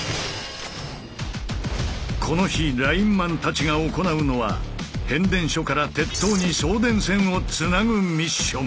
この日ラインマンたちが行うのは変電所から鉄塔に送電線をつなぐミッション。